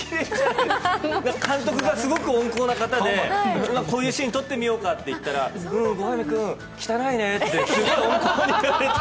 監督がすごく温厚な方で、こういうシーンを撮ってみようかって言われてうん、後上君、汚いねって言われて。